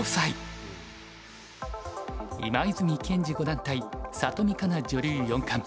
今泉健司五段対里見香奈女流四冠。